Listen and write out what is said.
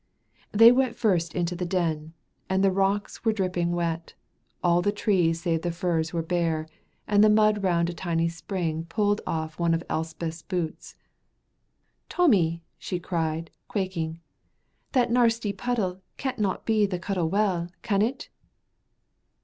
They went first into the Den, and the rocks were dripping wet, all the trees save the firs were bare, and the mud round a tiny spring pulled off one of Elspeth's boots. "Tommy," she cried, quaking, "that narsty puddle can't not be the Cuttle Well, can it?"